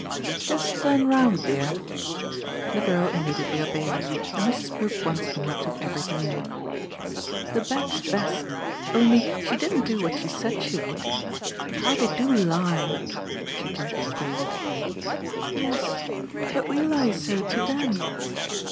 "Just turn round, dear." The girl immediately obeyed, and Mrs. Brook once more took everything in. "The back's best only she didn't do what she said she would. How they do lie!" she gently quavered. "Yes, but we lie so to THEM."